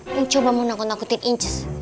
yang coba menakut nakutin inces